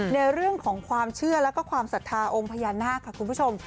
ในเรื่องของความเชื่อแล้วก็ความศรัทธาองค์พญานาคค่ะคุณผู้ชม